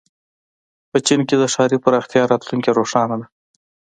په چین کې د ښاري پراختیا راتلونکې روښانه ده.